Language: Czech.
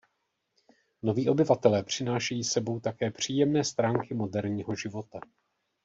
Noví obyvatelé přinášejí s sebou také příjemné stránky moderního života.